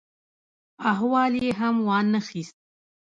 احوال یې هم وا نه خیست.